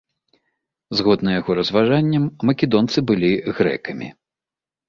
Згодна яго разважанням, македонцы былі грэкамі.